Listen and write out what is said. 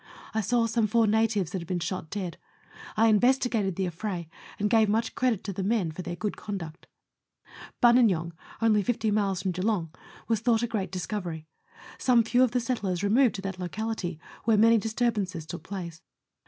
I saw some four natives that had been shot dead. I investigated the affray, and gave much credit to the men for their good conduct. Buninyong, only 50 miles from Geelong, was thought a great discovery. Some few of the settlers removed to that locality, where many disturbances took place.